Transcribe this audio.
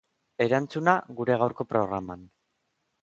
Erantzuna, gure gaurko programan.